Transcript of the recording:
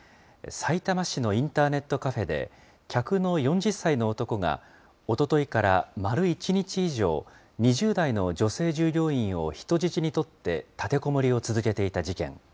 さいたま市のインターネットカフェで、客の４０歳の男が、おとといから丸１日以上、２０代の女性従業員を人質に取って立てこもりを続けていた事件。